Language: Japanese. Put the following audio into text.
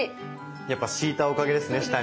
やっぱ敷いたおかげですね下に。